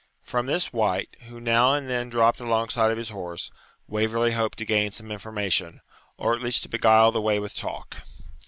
From this wight, who now and then dropped alongside of his horse, Waverley hoped to acquire some information, or at least to beguile the way with talk.